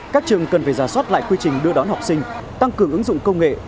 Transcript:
các trường cần phải ra soát lại quy trình đưa đón học sinh tăng cường ứng dụng công nghệ